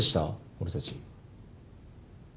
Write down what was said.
俺たち。